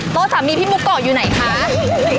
โต๊ะสามีพี่มุกโกะอยู่ไหนคะ